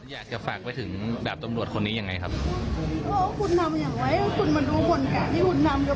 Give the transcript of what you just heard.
อยากจะฝากไปถึงแบบตำลวดคนนี้ยังไงครับคุณทำอย่างไว้คุณมาดูบนการที่คุณทำ